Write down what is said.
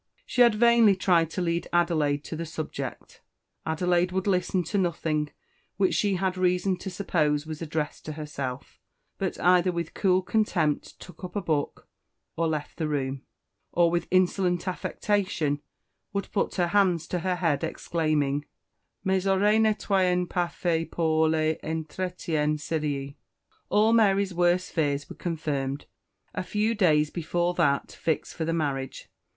She had vainly tried to lead Adelaide to the subject. Adelaide would listen to nothing which she had reason to suppose was addressed to herself; but either with cool contempt took up a book, or left the room, or, with insolent affectation, would put her hands to her head, exclaiming, "Mes oreilles n'etoient pas faites pour les entretiens sérieux." All Mary's worst fears were confirmed a few days before that fixed for the marriage.